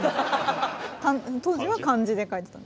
当時は漢字で書いてた。